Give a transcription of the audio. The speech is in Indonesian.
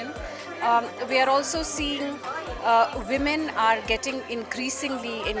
kami juga melihat perempuan semakin bergabung